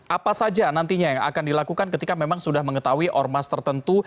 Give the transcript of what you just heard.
apa saja nantinya yang akan dilakukan ketika memang sudah mengetahui ormas tertentu